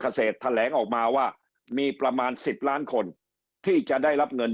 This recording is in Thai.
เกษตรแถลงออกมาว่ามีประมาณ๑๐ล้านคนที่จะได้รับเงิน